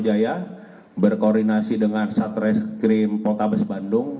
jaya berkoordinasi dengan satreskrim potabes bandung